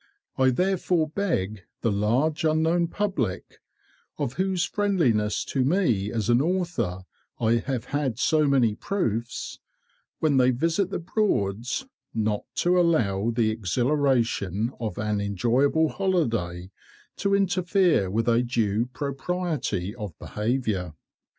I therefore beg the large unknown public (of whose friendliness to me as an author I have had so many proofs), when they visit the Broads, not to allow the exhilaration of an enjoyable holiday to interfere with a due propriety of behaviour.